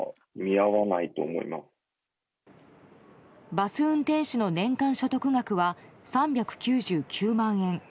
バス運転手の年間所得額は３９９万円。